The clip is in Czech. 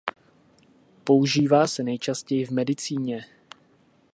Používá se nejčastěji v medicíně.